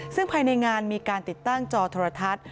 ซึ่งภายในงานมีการติดตั้งจอโทรทัศน์